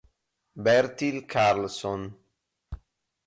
Bertil Karlsson